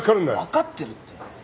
分かってるって。